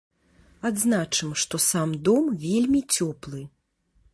Адзначым, што сам дом вельмі цёплы.